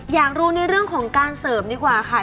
อยากรู้ในเรื่องของการเสริมดีกว่าค่ะ